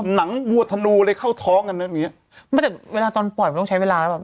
หนังวัวธนูเลยเข้าท้องกันนะอย่างเงี้ยไม่แต่เวลาตอนปล่อยมันต้องใช้เวลาแล้วแบบ